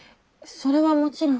それはもちろん。